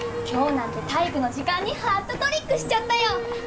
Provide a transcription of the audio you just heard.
今日なんて体育の時間にハットトリックしちゃったよ！